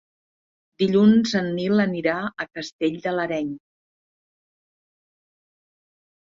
Dilluns en Nil anirà a Castell de l'Areny.